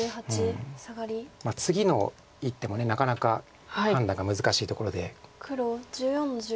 次の一手もなかなか判断が難しいところで。